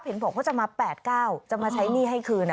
เห็นบอกว่าจะมา๘๙จะมาใช้หนี้ให้คืน